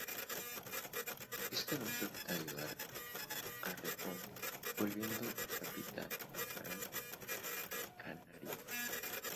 Este no acepta ayudar a Rejón, volviendo el capitán a Gran Canaria.